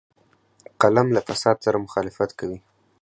قلم له فساد سره مخالفت کوي